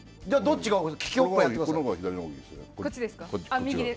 じゃあ、どっちが。